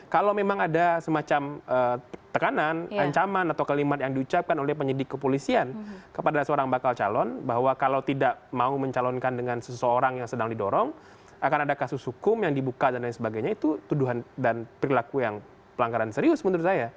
kalau memang ada semacam tekanan ancaman atau kalimat yang diucapkan oleh penyidik kepolisian kepada seorang bakal calon bahwa kalau tidak mau mencalonkan dengan seseorang yang sedang didorong akan ada kasus hukum yang dibuka dan lain sebagainya itu tuduhan dan perilaku yang pelanggaran serius menurut saya